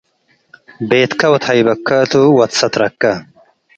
ቤትከ ወትሀይበከ ቱ ወትሰትረከ።